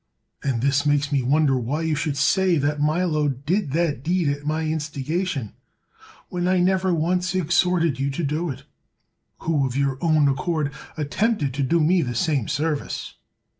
And this makes me wonder why you should say that Milo did that deed at my instigation ; when I never once ex horted you to do it, who of your own accord attempted to do me the same service.